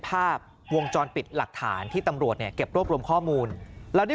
ภาพวงจรปิดหลักฐานที่ตำรวจเนี่ยเก็บรวบรวมข้อมูลแล้วได้